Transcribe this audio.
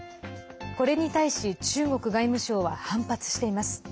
これに対し中国外務省は反発しています。